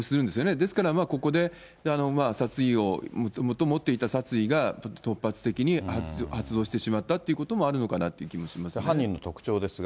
ですから、ここで殺意を、もともと持っていた殺意が突発的に発動してしまったということも犯人の特徴ですが。